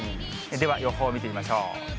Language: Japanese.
では予報を見てみましょう。